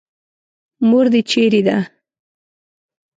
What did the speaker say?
مور دې چېرې ده.